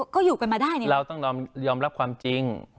ก็อยู่กันมาได้นี่เราต้องยอมรับความจริง